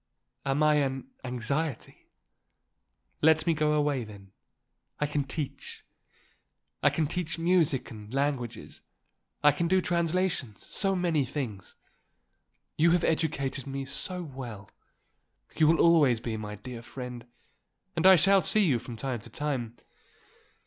Am I an anxiety? Let me go away, then. I can teach. I can teach music and languages. I can do translations, so many things. You have educated me so well. You will always be my dear friend and I shall see you from time to time.